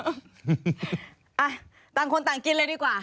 อ่ะต่างคนต่างกินเลยดีกว่า